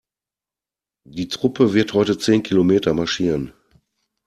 Die Truppe wird heute zehn Kilometer marschieren.